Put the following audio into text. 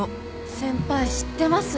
先輩知ってます？